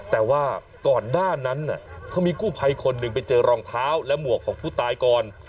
แต่ว่าก่อนหน้านั้นเขามีกู้ภัยคนหนึ่งไปเจอรองเท้าและหมวกของผู้ตายก่อน